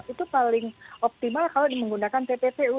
itu paling optimal kalau menggunakan tppu